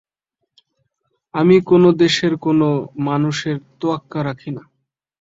আমি কোন দেশের কোন মানুষের তোয়াক্কা রাখি না।